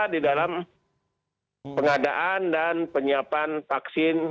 di dalam pengadaan dan penyiapan vaksin